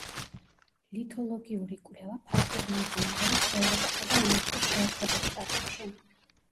ლითოლოგიური კვლევა ფართოდ მიმდინარეობს ევროპასა და ამერიკის შეერთებულ შტატებში.